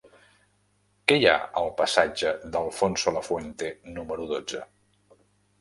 Què hi ha al passatge d'Alfonso Lafuente número dotze?